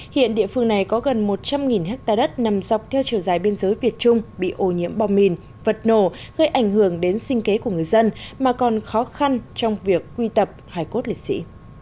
hiện địa phương này có gần một trăm linh hectare đất nằm dọc theo chiều dài biên giới việt trung bị ô nhiễm bom mìn vật nổ gây ảnh hưởng đến sinh kế của người dân mà còn khó khăn trong việc quy tập hải cốt lễ sĩ